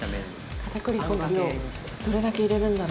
片栗粉の量どれだけ入れるんだろ？